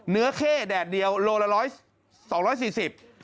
เนื้อเข้แดดเดียวโลละ๒๔๐บาท